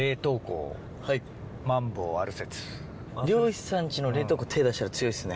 漁師さんちの冷凍庫手出したら強いっすね。